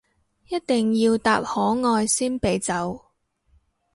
一定要答可愛先俾走